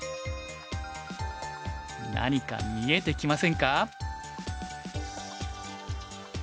何か見えてきませんか？